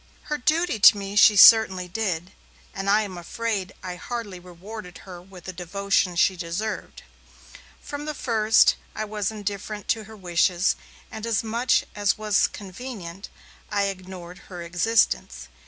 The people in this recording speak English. Her duty to me she certainly did, and I am afraid I hardly rewarded her with the devotion she deserved. From the first, I was indifferent to her wishes, and, as much as was convenient, I ignored her existence.